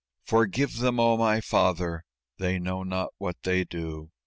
"Forgive them, oh, my Father! they know not what they do!"